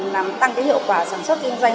làm tăng cái hiệu quả sản xuất kinh doanh